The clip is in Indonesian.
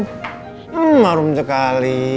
hmm harum sekali